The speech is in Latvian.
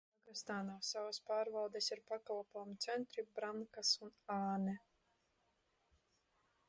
Pagastā nav savas pārvaldes, ir pakalpojumu centri Brankās un Ānē.